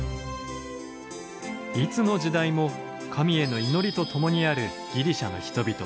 いつの時代も神への祈りとともにあるギリシャの人々。